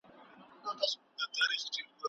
که څېړونکی پوهه ونلري نو تفسیر یې سم نه وي.